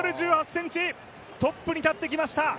トップに立ってきました。